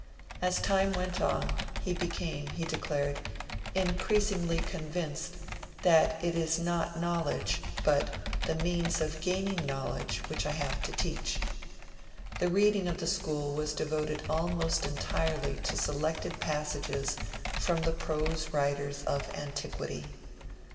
As time went on he became, he declared, 'increasingly convinced that it is not knowledge, but the means of gaining knowledge which I have to teach'. The reading of the school was devoted almost entirely to selected passages from the prose writers of antiquity.